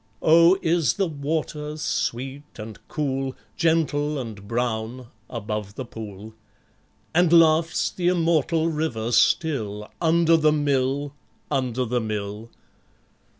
Oh, is the water sweet and cool, Gentle and brown, above the pool? And laughs the immortal river still Under the mill, under the mill?